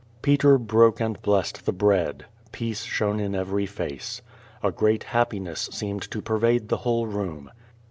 Peter broke and blessed the bread. Peace shone in every face. A great happi ness seemed to pervade the whole room.